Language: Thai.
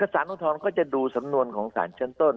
สารอุทธรณ์ก็จะดูสำนวนของสารชั้นต้น